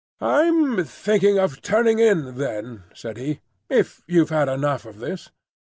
"I'm thinking of turning in, then," said he, "if you've had enough of this."